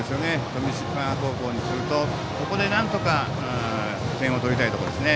富島高校からするとここでなんとか点を取りたいところですね。